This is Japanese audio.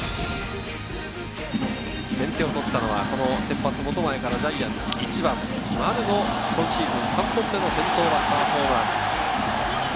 先手を取ったのは先発・本前からジャイアンツ、１番・丸の今シーズン３本目の先頭バッターホームラン。